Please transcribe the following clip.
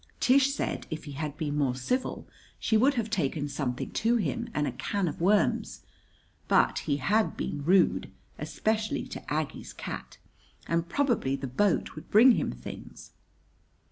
Tish said if he had been more civil she would have taken something to him and a can of worms; but he had been rude, especially to Aggie's cat, and probably the boat would bring him things.